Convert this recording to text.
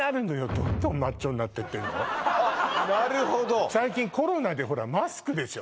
どんどんマッチョになってってんのあっなるほど最近コロナでほらマスクでしょ